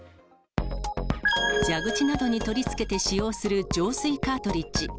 蛇口などに取り付けて使用する浄水カートリッジ。